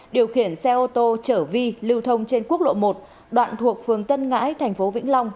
điều khiển xe ô tô trở vi lưu thông trên quốc lộ một đoạn thuộc phường tân ngãi tp vĩnh long